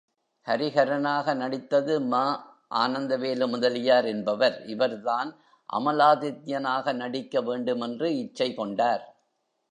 ஹரிஹரனாக நடித்தது ம. ஆனந்தவேலு முதலியார் என்பவர், இவர்தான் அமலாதித்யனாக நடிக்க வேண்டு மென்று இச்சை கொண்டார்.